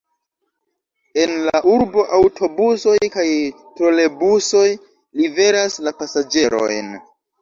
En la urbo aŭtobusoj kaj trolebusoj liveras la pasaĝerojn.